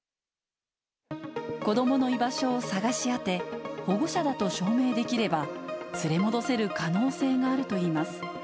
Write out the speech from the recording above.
子どもの居場所を捜し当て、保護者だと証明できれば、連れ戻せる可能性があるといいます。